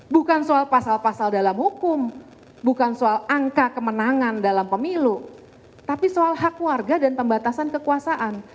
bukan soal pasal pasal dalam hukum bukan soal angka kemenangan dalam pemilu tapi soal hak warga dan pembatasan kekuasaan